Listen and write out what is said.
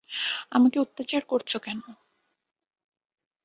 আমাকে অত্যাচার করছ কেন?